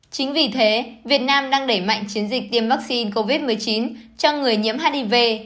chính vì thế việt nam đang đẩy mạnh chiến dịch tiêm vaccine covid một mươi chín cho người nhiễm hiv